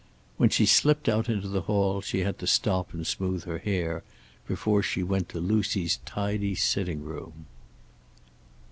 When she slipped out into the hall she had to stop and smooth her hair, before she went to Lucy's tidy sitting room.